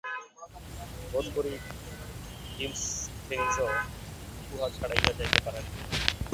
বোধ করি ডিমসথেনীজও উহা ছাড়াইয়া যাইতে পারেন নাই।